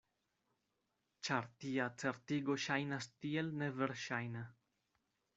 Ĉar tia certigo ŝajnas tiel neverŝajna.